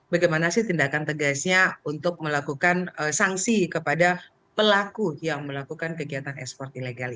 bagaimana sih tindakan tegasnya untuk melakukan sanksi kepada pelaku yang melakukan kegiatan ekspor ilegal